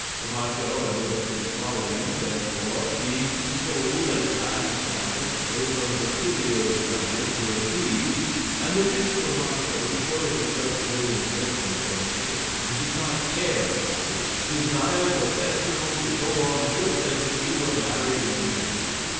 Camacho and those of his following, therefore, being consoled and pacified, those on Basilio's side were appeased; and the rich Camacho, to show that he felt no resentment for the trick, and did not care about it, desired the festival to go on just as if he were married in reality.